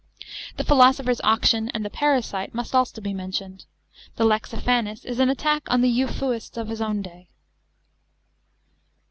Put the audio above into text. The Philosopher's Auction and the Parasite musi also be mentioned. The Lexiphanes is an attack on the "eu phuists " of his own day.